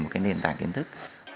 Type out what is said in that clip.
một cái nền tảng kiến thức